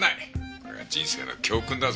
これは人生の教訓だぞ。